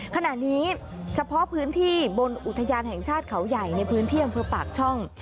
ขณะนี้เฉพาะพื้นที่บนอุทยานแห่งชาติเขาใหญ่ในพื้นที่อำเภอปากช่อง